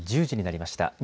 １０時になりました。